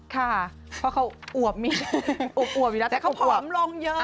ค่ะเพราะเขาอวบมีอวบอยู่แล้วแต่เขาผอมลงเยอะ